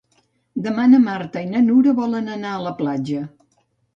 Demà na Marta i na Nura volen anar a la platja.